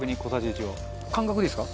中丸：感覚でいいですか？